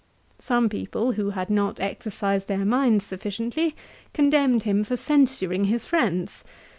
Some people, who had not exercised their minds sufficiently, condemned him for censuring his friends.